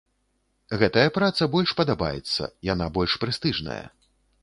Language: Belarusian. Гэтая праца больш падабаецца, яна больш прэстыжная.